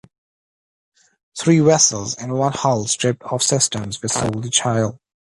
Three vessels and one hull stripped of systems were sold to Chile.